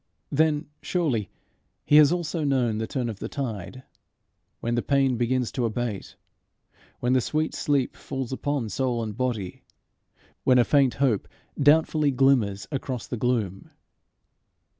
Then, surely, he has also known the turn of the tide, when the pain begins to abate, when the sweet sleep falls upon soul and body, when a faint hope doubtfully glimmers across the gloom!